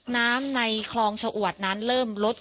น้ำในคลองฉออวดนั้นเริ่มลดความเชี่ยวลง